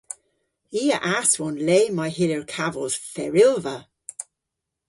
I a aswon le may hyllir kavos ferylva.